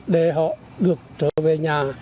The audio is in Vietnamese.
để họ được trở về nhà